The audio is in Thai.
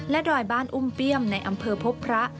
ดอยบ้านอุ้มเปี้ยมในอำเภอพบพระ